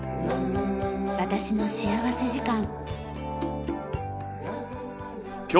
『私の幸福時間』。